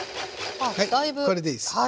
はいこれでいいです。